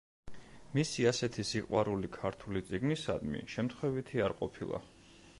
მისი ასეთი სიყვარული ქართული წიგნისადმი შემთხვევითი არ ყოფილა.